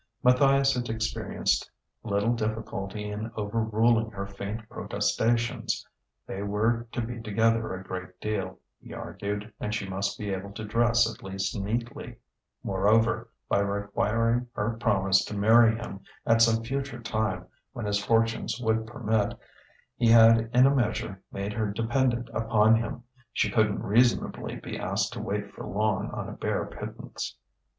Matthias had experienced little difficulty in over ruling her faint protestations: they were to be together a great deal, he argued, and she must be able to dress at least neatly; moreover, by requiring her promise to marry him at some future time when his fortunes would permit, he had in a measure made her dependent upon him; she couldn't reasonably be asked to wait for long on a bare pittance.